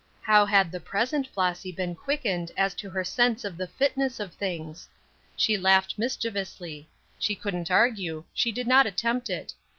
How had the present Flossy been quickened as to her sense of the fitness of things. She laughed mischievously. She couldn't argue; she did not attempt it.